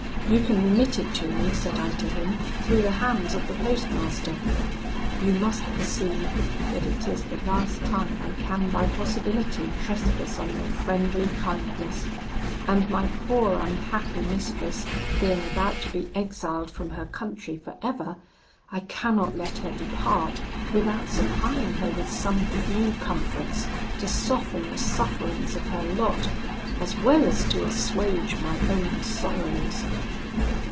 'You can remit it to me,' said I to him, 'through the hands of the postmaster. You must perceive that it is the last time I can by possibility trespass on your friendly kindness; and my poor unhappy mistress being about to be exiled from her country for ever, I cannot let her depart without supplying her with some few comforts, to soften the sufferings of her lot, as well as to assuage my own sorrows.'